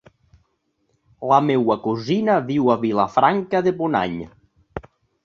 La meva cosina viu a Vilafranca de Bonany.